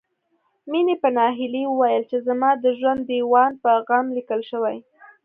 مينې په ناهيلۍ وويل چې زما د ژوند ديوان په غم ليکل شوی